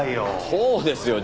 そうですよ。